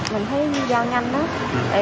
mình thấy như giao nhanh đó